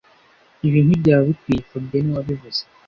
Ibi ntibyaba bikwiye fabien niwe wabivuze